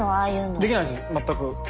全く。